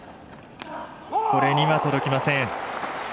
これには届きません。